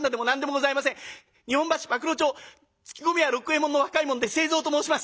日本橋馬喰町搗米屋六右衛門の若い者で清蔵と申します。